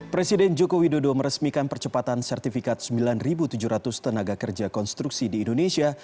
presiden joko widodo meresmikan percepatan sertifikat sembilan tujuh ratus tenaga kerja konstruksi di indonesia